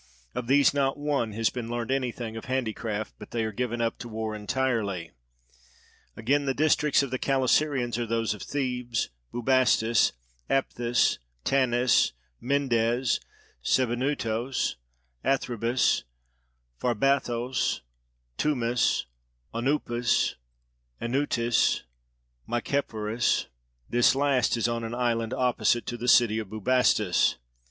Of these not one has been learnt anything of handicraft, but they are given up to war entirely. Again the districts of the Calasirians are those of Thebes, Bubastis, Aphthis, Tanis, Mendes, Sebennytos, Athribis, Pharbaithos, Thmuis, Onuphis, Anytis, Myecphoris, this last is on an island opposite to the city of Bubastis.